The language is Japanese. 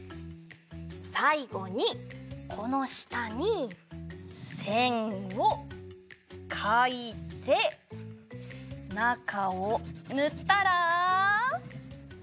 さいごにこのしたにせんをかいてなかをぬったら。